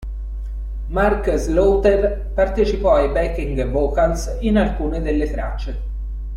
Mark Slaughter partecipò ai backing vocals in alcune delle tracce.